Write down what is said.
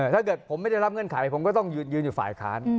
ถ้าเกิดผมไม่ได้รับเงื่อนไขผมก็ต้องยืนอยู่ฝ่ายค้าน